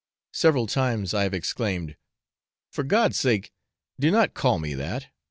Several times I have exclaimed, 'For God's sake do not call me that!'